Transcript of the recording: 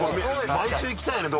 毎週行きたいね